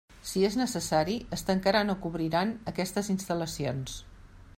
Si és necessari, es tancaran o cobriran aquestes instal·lacions.